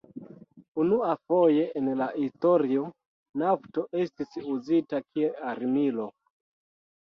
Unuafoje en la historio nafto estis uzita kiel armilo.